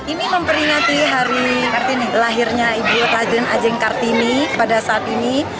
ini memperingati hari lahirnya ibu raden ajeng kartini pada saat ini